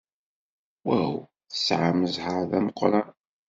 Waw! Tesɛam zzheṛ d ameqran.